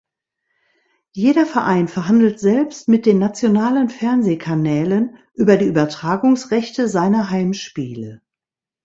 Jeder Verein verhandelt selbst mit den nationalen Fernsehkanälen, über die Übertragungsrechte seiner Heimspiele.